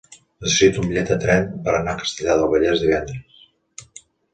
Necessito un bitllet de tren per anar a Castellar del Vallès divendres.